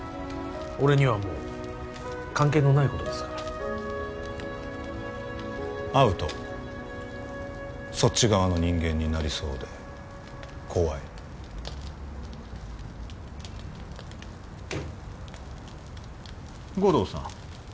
俺にはもう関係のないことですから会うとそっち側の人間になりそうで怖い護道さん